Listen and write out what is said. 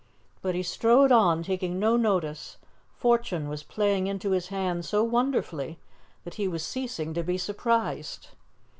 But he strode on, taking no notice; fortune was playing into his hand so wonderfully that he was ceasing to be surprised.